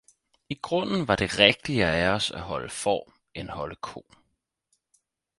I grunden var det rigtigere af os at holde får, end holde ko.